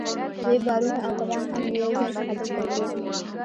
دوی بارونه او کبان هم له یو ځای څخه بل ته وړي